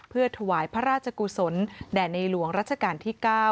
เพื่อถวายพระราชกุศลแด่ในหลวงรัชกาลที่๙